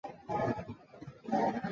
遭受地震无情的打击